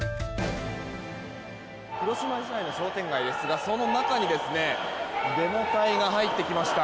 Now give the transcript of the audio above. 広島市内の商店街ですがその中にデモ隊が入ってきました。